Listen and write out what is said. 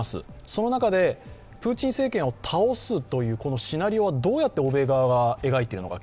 その中でプーチン政権を倒すという、このシナリオはどうやって欧米側は描いているのか。